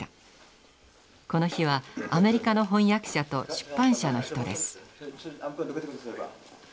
この日はアメリカの翻訳者と出版社の人です。